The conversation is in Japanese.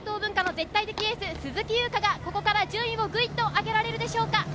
絶対的エース・鈴木優花がここから順位をぐいっと上げられるでしょうか。